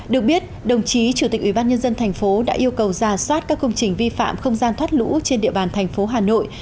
được biết đồng chí chủ tịch ubnd tp đã yêu cầu ra soát các công trình vi phạm không gian thoát lũ trên địa bàn tp hà nội